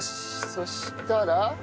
そしたら。